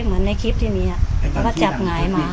เหมือนในคลิปที่มีเขาก็จับหงายมา